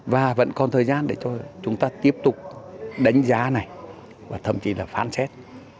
và vẫn còn thời gian để cho chúng ta tiếp tục đánh giá này và thậm chí là phán xét